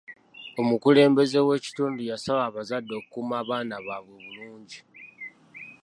Omukulembeze w'ekitundu yasaba abazadde okukuuma abaana baabwe obulungi.